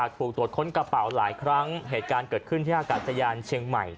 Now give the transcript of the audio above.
กะเป่าหลายครั้งเหตุการณ์เกิดขึ้นที่ถ้าอากาศสะยานเชียงใหม่